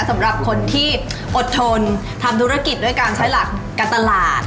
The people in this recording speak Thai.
สำหรับคนที่อดทนทำธุรกิจด้วยการใช้หลักการตลาด